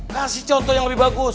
kasih contoh yang lebih bagus